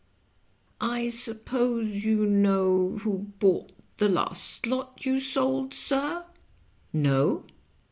" I suppose you know who bought the last lot you sold, sir?" "No."